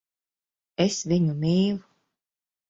Es viņu mīlu.